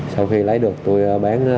sau khi lấy được tôi bắt giữ